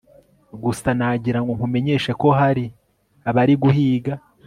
gusa nagira ngo nkumenyeshe ko hari abari guhiga